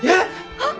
あっ！